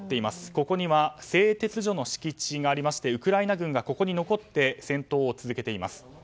ここには製鉄所の敷地がありましてウクライナ軍がここに残って戦闘を続けています。